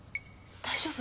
大丈夫？